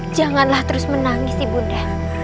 janganlah terus menangis ibunda